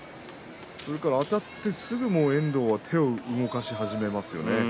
それからあたってすぐに遠藤は手を動かし始めますよね。